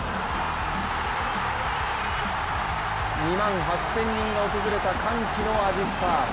２万８０００人が訪れた歓喜の味スタ。